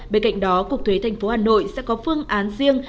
bên cạnh đó cục thuế tp hà nội sẽ có phương án riêng